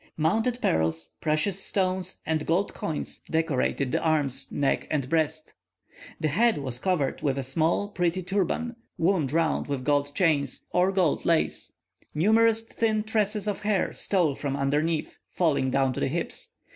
Mounted pearls, precious stones, and gold coins, decorated the arms, neck, and breast. The head was covered with a small, pretty turban, wound round with gold chains, or gold lace; numerous thin tresses of hair stole from underneath, falling down to the hips.